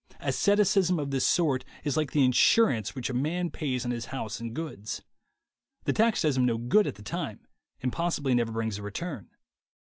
Asceticism of this sort is like the insurance which a. man pays on his house and goods. The tax does him no good at the time, and possibly never brings a return.